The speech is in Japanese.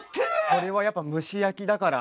これはやっぱ蒸し焼きだから？